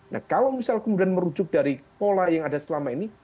nah kalau misal kemudian merujuk dari pola yang ada selama ini